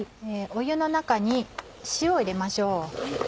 湯の中に塩を入れましょう。